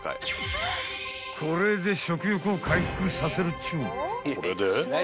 ［これで食欲を回復させるっちゅう］